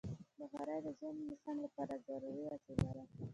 بخاري د ژمي موسم لپاره ضروري وسیله ده.